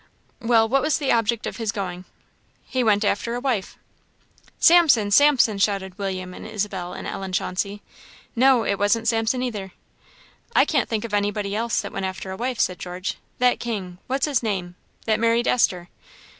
"Well, what was the object of his going?" "He went after a wife." "Samson! Samson!" shouted William and Isabel and Ellen Chauncey. "No it wasn't Samson either." "I can't think of anybody else that went after a wife," said George. "That king what's his name? that married Esther?"